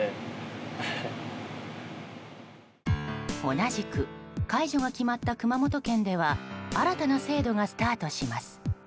同じく解除が決まった熊本県では新たな制度がスタートします。